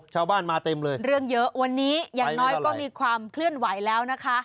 ชาวบ้านมาเต็มเลยเรื่องเยอะวันนี้อย่างน้อยก็มีความเคลื่อนไหวแล้วนะคะ